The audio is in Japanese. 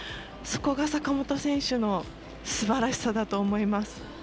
そこが坂本選手のすばらしさだと思います。